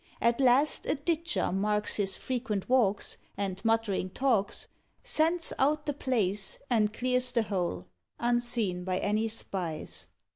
At last a ditcher marks his frequent walks, And muttering talks, Scents out the place, and clears the whole, Unseen by any spies.